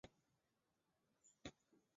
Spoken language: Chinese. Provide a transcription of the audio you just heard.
儿子朱健杙被册封为世孙。